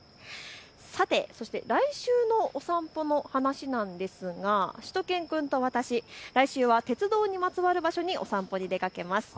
さて来週のお散歩の話なんですがしゅと犬くんと私、来週は鉄道にまつわる場所にお散歩に出かけます。